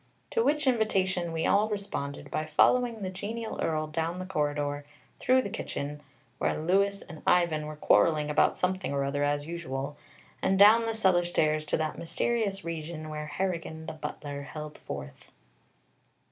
To which invitation we all responded by following the genial Earl down the corridor, through the kitchen, where Louis and Ivan were quarreling about something or other, as usual, and down the cellar stairs to that mysterious region where Harrigan the butler held forth.